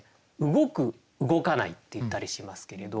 動く動かないっていったりしますけれど。